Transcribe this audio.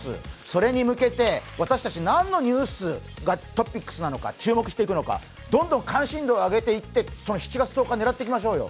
それに向けて私たち何のニュースがトピックスなのか注目していくのかどんどん関心度を上げていって７月１０日、狙っていきましょうよ。